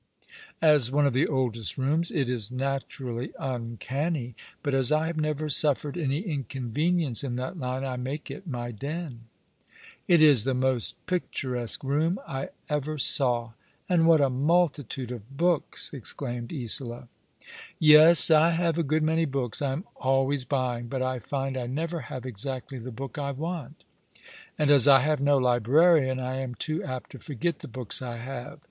As one of the oldest rooms it is naturally Tincanny; but as I have never suffered any inconvenience in that line, I make it my den." " It is the most picturesque room I ever saw. And what a multitude of books !" exclaimed Isola. " Yes; I have a good many books. I am always buying; but I find I never have exactly the book I want. And as I have no librarian I am too apt to forget the books I have.